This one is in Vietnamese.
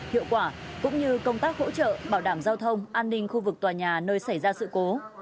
hiệu quả cũng như công tác hỗ trợ bảo đảm giao thông an ninh khu vực tòa nhà nơi xảy ra sự cố